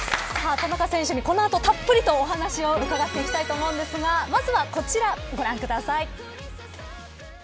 田中選手に、この後たっぷりとお話を伺っていきたいと思うんですがまずは、こちらご覧ください。